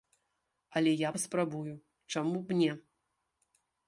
Але я паспрабую, чаму б не?!